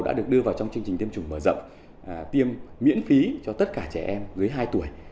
đã được đưa vào trong chương trình tiêm chủng mở rộng tiêm miễn phí cho tất cả trẻ em dưới hai tuổi